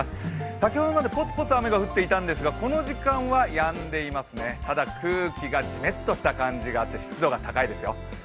先ほどまでポツポツ雨が降っていたんですがやんでいますね、ただ空気がジメッとした感じがあって湿度が高いですよ。